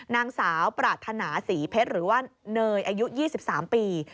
นางสาวปรารถนาศรีเพชรหรือว่าเนยอายุ๒๓ปี